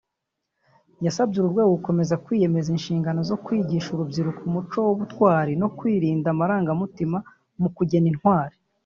yasabye uru rwego gukomeza kwiyemeza inshingano zo kwigisha urubyiruko umuco w’ ubutwari no kwirinda amarangamutima mu kugena intwari